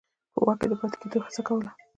په واک کې د پاتې کېدو هڅه کوله.